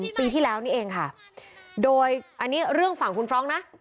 ปีที่แล้วนี่เองค่ะโดยอันนี้เรื่องฝั่งคุณฟรองก์นะ